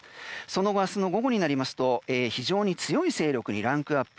その後、明日の午後になりますと非常に強い勢力にランクアップ。